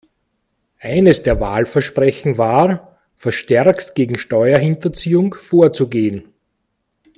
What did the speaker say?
Eines der Wahlversprechen war, verstärkt gegen Steuerhinterziehung vorzugehen.